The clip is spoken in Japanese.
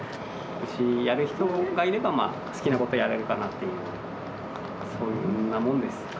牛やる人がいればまあ好きなことやれるかなっていうそんなもんです